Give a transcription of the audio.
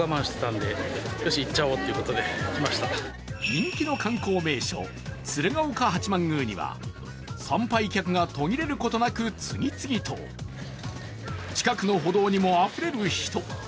人気の観光名所、鶴岡八幡宮には参拝客が途切れることなく次々と近くの歩道にもあふれる人。